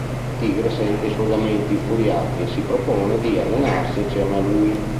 Tigre sente i suoi lamenti infuriati e si propone di allenarsi insieme a lui.